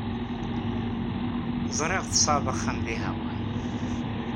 Ẓriɣ tesɛid axxam deg Hawaii.